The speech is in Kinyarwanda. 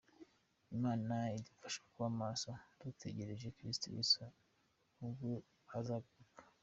Imana idufashe kuba maso dutegereje Kristo Yesu ubwo azagaruka.